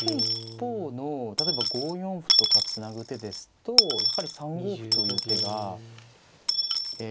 一方の例えば５四歩とかつなぐ手ですとやはり３五歩という手がえ